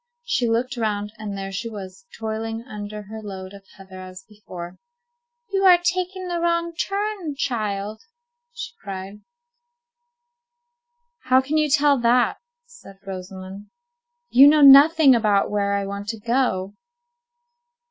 She looked round, and there she was, toiling under her load of heather as before. "You are taking the wrong turn, child." she cried. "How can you tell that?" said Rosamond. "You know nothing about where I want to go."